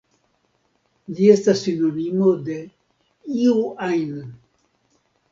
Ĝi estas sinonimo de "iu ajn".